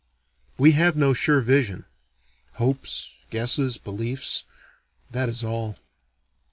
We have no sure vision. Hopes, guesses, beliefs that is all.